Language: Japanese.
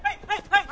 はい。